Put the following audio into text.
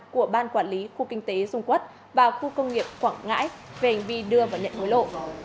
của ban quản lý khu kinh tế dung quốc và khu công nghiệp quảng ngãi về hành vi đưa và nhận hối lộ